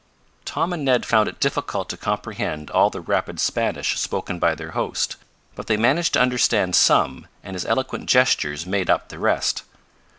Tom and Ned found it difficult to comprehend all the rapid Spanish spoken by their host, but they managed to understand some, and his eloquent gestures made up the rest.